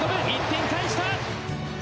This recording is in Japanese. １点返した！